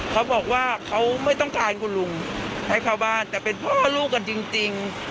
เขาบอกว่าเขาไม่ต้องการคุณลุงให้เข้าบ้านแต่เป็นพ่อลูกกันจริง